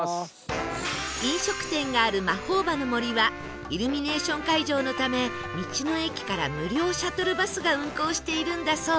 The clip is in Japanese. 飲食店があるまほーばの森はイルミネーション会場のため道の駅から無料シャトルバスが運行しているんだそう